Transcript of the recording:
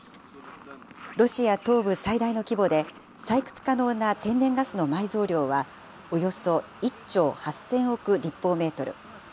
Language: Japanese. ロシア東部最大の規模で、採掘可能な天然ガスの埋蔵量はおよそ１兆８０００億立方メートル。